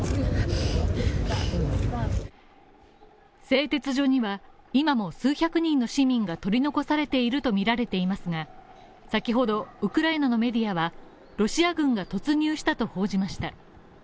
製鉄所には、今も数百人の市民が取り残されているとみられていますが先ほど、ウクライナのメディアは、ロシア軍が突入したと報じました。